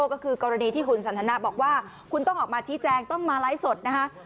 ก็คือกรณีที่คุณสันทนาบอกว่าคุณต้องออกมาชี้แจงต้องมาไลฟ์สดนะคะ